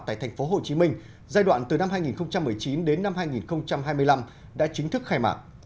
tại tp hcm giai đoạn từ năm hai nghìn một mươi chín đến năm hai nghìn hai mươi năm đã chính thức khai mạc